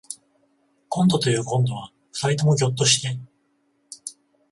こんどというこんどは二人ともぎょっとして